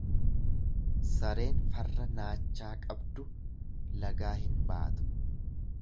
Sareen farra Naachaa qabdu lagaa hin baatu.